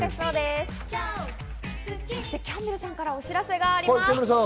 そしてキャンベルさんからお知らせがあります。